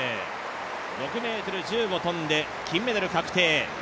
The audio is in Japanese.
６ｍ１０を跳んで金メダル確定。